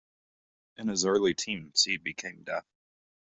In his early teens he became deaf.